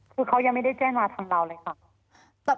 คือเขายังไม่ได้แจ้งมาทางเราเลยค่ะ